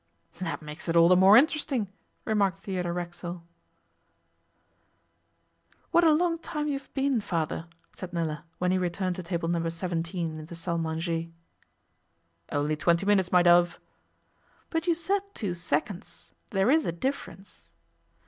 'That makes it all the more interesting,' remarked Theodore Racksole. 'What a long time you have been, Father,' said Nella, when he returned to table No. 17 in the salle à manger. 'Only twenty minutes, my dove.' 'But you said two seconds. There is a difference.